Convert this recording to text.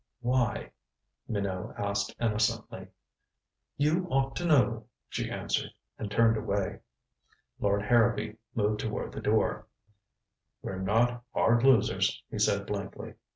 "Why?" Minot asked innocently. "You ought to know," she answered, and turned away. Lord Harrowby moved toward the door. "We're not hard losers," he said blankly.